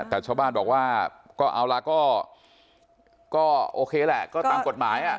แต่ชาวบ้านบอกว่าก็เอาละก็โอเคแหละก็ตามกฎหมาย